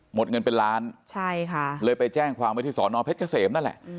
หมดเงินเป็นล้านเลยไปแจ้งความวิธีศรนเพชรเกษมนั่นแหละ